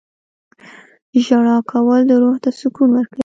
• ژړا کول روح ته سکون ورکوي.